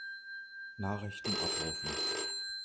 Nachrichten abrufen.